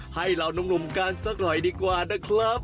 เหล่านุ่มกันสักหน่อยดีกว่านะครับ